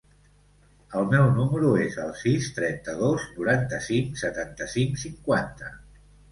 El meu número es el sis, trenta-dos, noranta-cinc, setanta-cinc, cinquanta.